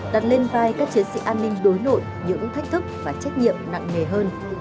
đặt lên vai các chiến sĩ an ninh đối nội những thách thức và trách nhiệm nặng nề hơn